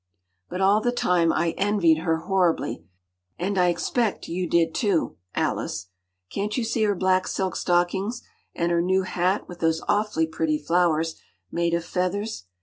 But all the time, I envied her horribly, and I expect you did too, Alice. Can’t you see her black silk stockings—and her new hat with those awfully pretty flowers, made of feathers?